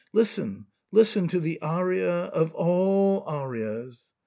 Listen — listen — to the aria of all arias."